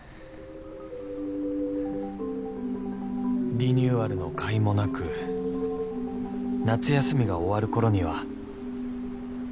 ［リニューアルのかいもなく夏休みが終わるころには］